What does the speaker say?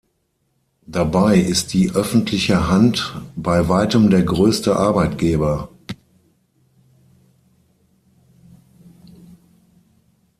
Dabei ist die öffentliche Hand bei weitem der größte Arbeitgeber.